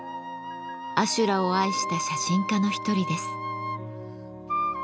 阿修羅を愛した写真家の一人です。